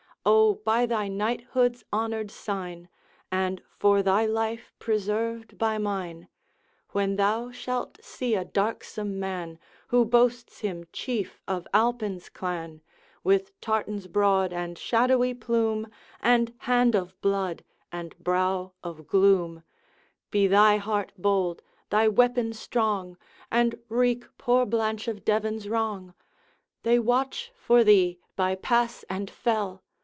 O. by thy knighthood's honored sign, And for thy life preserved by mine, When thou shalt see a darksome man, Who boasts him Chief of Alpine's Clan, With tartars broad and shadowy plume, And hand of blood, and brow of gloom Be thy heart bold, thy weapon strong, And wreak poor Blanche of Devan's wrong! They watch for thee by pass and fell...